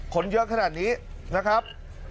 คนเยอะขนาดนี้นะครับ